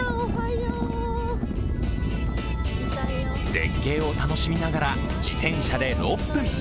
絶景を楽しみながら自転車で６分。